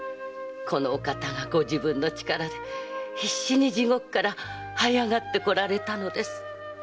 このお方がご自分の力で必死に地獄から這い上がってこられたのです。